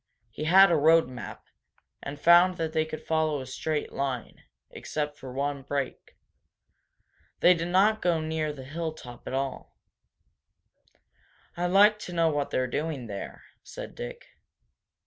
He had a road map, and found that they could follow a straight line, except for one break. They did not go near the hilltop at all. "I'd like to know what they're doing there," said Dick.